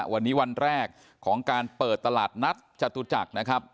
วันนี้วันแรกของการเปิดตลาดนัดจตุจักรนะครับ